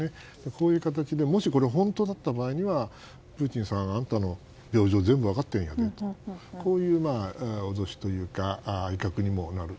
こういう形で、もしこれが本当だった場合にはプーチンさん、あなたの病状全部分かっているんだぜとこういう脅しというか威嚇にもなる。